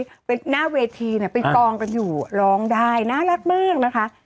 หน้าเวทีเนี่ยไปกองกันอยู่ร้องได้น่ารักมากนะคะ